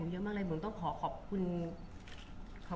บุ๋มประดาษดาก็มีคนมาให้กำลังใจเยอะ